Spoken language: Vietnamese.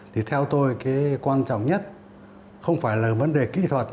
thì theo tôi cái quan trọng nhất không phải là vấn đề kỹ thuật